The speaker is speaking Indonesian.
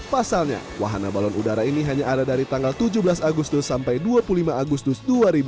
pasalnya wahana balon udara ini hanya ada dari tanggal tujuh belas agustus sampai dua puluh lima agustus dua ribu dua puluh